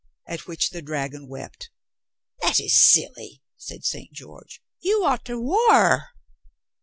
At which the dragon wept, "That is silly," said St. George. "You ought to wear."